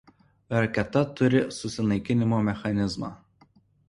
Raketa turi susinaikinimo mechanizmą.